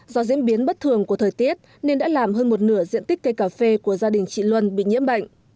do diễn biến bất thường của thời tiết nên đã làm hơn một nửa diện tích cây cà phê của gia đình chị luân bị nhiễm bệnh